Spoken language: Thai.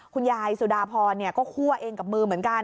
คุณยายสุดาพรก็คั่วเองกับมือเหมือนกัน